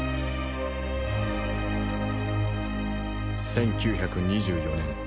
１９２４年。